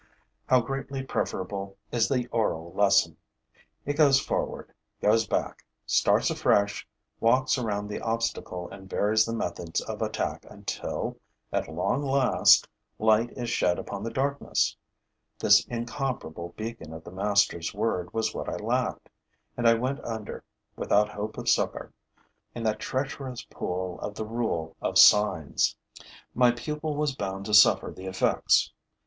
How greatly preferable is the oral lesson! It goes forward, goes back, starts afresh, walks around the obstacle and varies the methods of attack until, at long last, light is shed upon the darkness. This incomparable beacon of the master's word was what I lacked; and I went under, without hope of succor, in that treacherous pool of the rule of signs. My pupil was bound to suffer the effects.